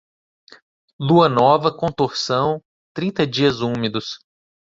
Lua nova com torção, trinta dias úmidos.